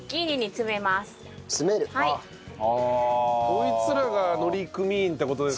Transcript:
こいつらが乗組員って事ですね。